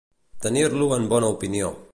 Tenir-lo en bona opinió.